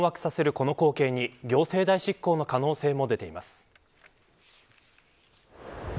この光景に行政代執行の可能性も出ています。